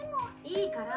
・いいから。